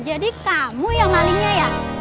jadi kamu yang malingnya ya